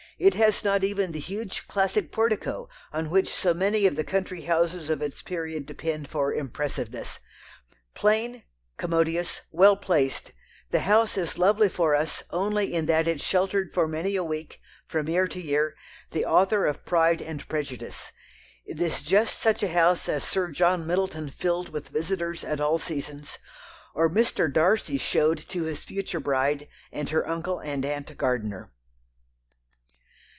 It has not even the huge classic portico on which so many of the country houses of its period depend for "impressiveness." Plain, commodious, well placed, the house is lovely for us only in that it sheltered for many a week, from year to year, the author of Pride and Prejudice. It is just such a house as Sir John Middleton filled with visitors at all seasons, or Mr. Darcy showed to his future bride and her Uncle and Aunt Gardiner.